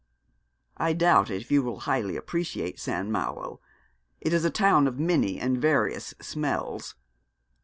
'I doubt if you will highly appreciate St. Malo. It is a town of many and various smells.'